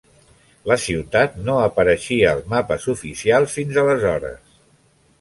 La ciutat no apareixia als mapes oficials fins aleshores.